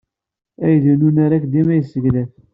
Aydi n unarag dima yesseglaf.